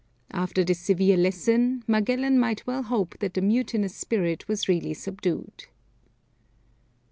After this severe lesson Magellan might well hope that the mutinous spirit was really subdued.